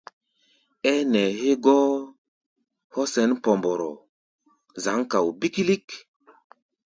Ɛ́ɛ́ nɛɛ hɛ́gɔ́ hɔ́ sɛn Pɔmbɔrɔ, zǎŋ kao bíkílík.